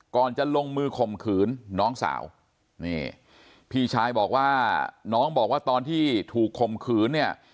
จะลงมือข่มขืนน้องสาวนี่พี่ชายบอกว่าน้องบอกว่าตอนที่ถูกข่มขืนเนี่ย